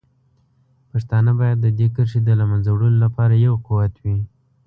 پښتانه باید د دې کرښې د له منځه وړلو لپاره یو قوت وي.